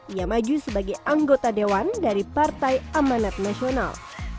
ia maju sebagai anggota dewan dari partai amanat nasional